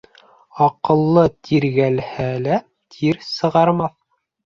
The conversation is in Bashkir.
Аҡыллы тиргәлһә лә тир сығармаҫ.